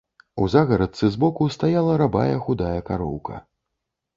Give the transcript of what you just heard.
У загарадцы збоку стаяла рабая худая кароўка.